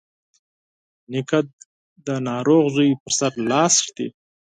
نیکه د ناروغ زوی پر سر لاس ږدي.